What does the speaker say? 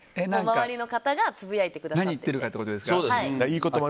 周りの方がつぶやいているのを。